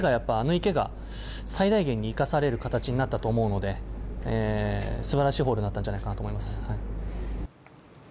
池が最大限に生かされる形になったと思うので、すばらしいホールになったんじゃないかと思います。